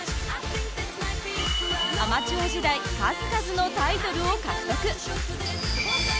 アマチュア時代数々のタイトルを獲得。